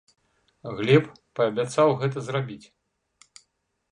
Глеб паабяцаў гэта зрабіць.